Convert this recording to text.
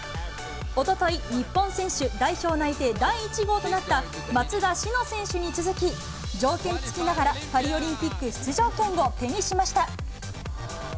おととい、日本選手代表内定第１号となった松田詩野選手に続き、条件付きながら、パリオリンピック出場権を手にしました。